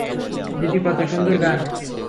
দিদি, কতো সুন্দর গান।